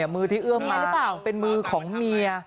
มือที่เอื้อมาเป็นมือของเมีย